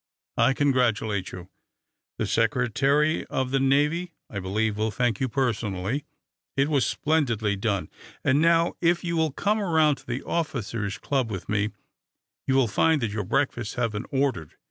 I congratulate you. The Secretary of the Navy, I believe, will thank you personally, It was splendidly done. And now, if you will come around to the officers' club with me, you will find that your breakfasts have been ordered.